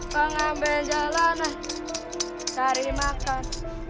buang amin jalanan